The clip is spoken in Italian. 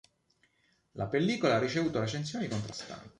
La pellicola ha ricevuto recensioni contrastanti.